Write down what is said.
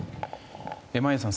眞家さん